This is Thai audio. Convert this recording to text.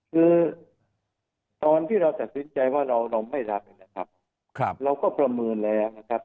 คือตอนที่เราตัดสินใจว่าเราไม่รับเราก็ประเมินแล้วนะครับ